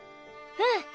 うん！